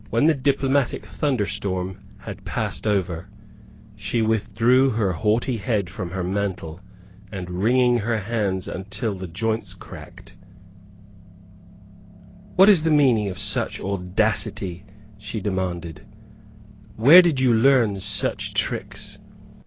When the diplomatic thunderstorm had passed over, she withdrew her haughty head from her mantle and, ringing her hands until the joints cracked, "What is the meaning of such audacity?" she demanded; "where did you learn such tricks?